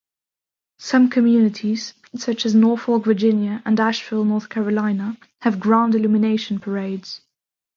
Some communities, such as Norfolk, Virginia and Asheville, North Carolina, have Grand Illumination parades.